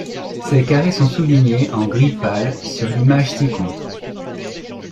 Ces carrés sont soulignés en gris pâle sur l'image ci-contre.